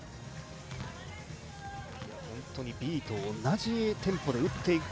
本当にＢと同じテンポで打っていく